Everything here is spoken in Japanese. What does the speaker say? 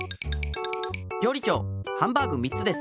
りょうり長ハンバーグ３つです。